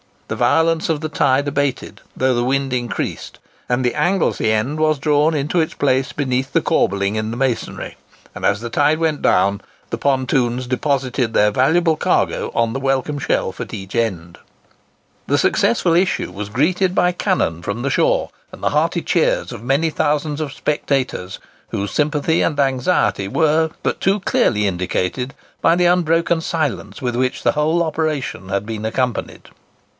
The violence of the tide abated, though the wind increased, and the Anglesey end was drawn into its place beneath the corbelling in the masonry; and as the tide went down, the pontoons deposited their valuable cargo on the welcome shelf at each end. The successful issue was greeted by cannon from the shore and the hearty cheers of many thousands of spectators, whose sympathy and anxiety were but too clearly indicated by the unbroken silence with which the whole operation had been accompanied."